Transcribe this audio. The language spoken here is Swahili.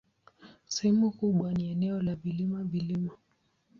Sehemu kubwa ni eneo la vilima-vilima.